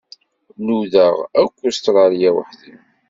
Nudaɣ-d akk Ustṛalya weḥd-i.